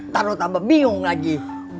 taruh tambah bingung lagi